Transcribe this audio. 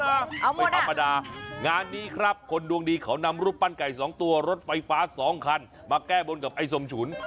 เอาไม่ธรรมดางานนี้ครับคนดวงดีเขานำรูปปั้นไก่๒ตัวรถไฟฟ้าสองคันมาแก้บนกับไอ้ส้มฉุน